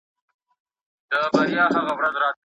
که قیمتونه کنټرول سي خلګ به هوسا سي.